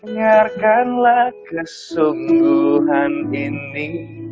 nyarkanlah kesungguhan ini